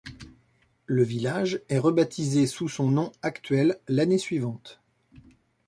Le village est rebaptisé sous son nom actuel, l'année suivante.